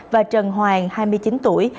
và trần hoàng hai mươi chín tuổi